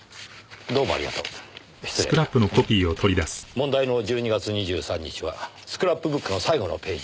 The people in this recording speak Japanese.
問題の１２月２３日はスクラップブックの最後のページ。